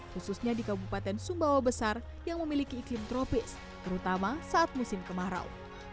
khususnya di kabupaten sumbawa besar yang memiliki iklim tropis terutama saat musim kemarau